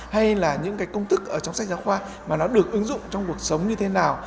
hay là những cái công thức ở trong sách giáo khoa mà nó được ứng dụng trong cuộc sống như thế nào